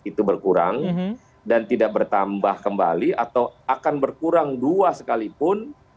itu berkurang dan tidak bertambah kembali atau akan berkurang dua sekalipun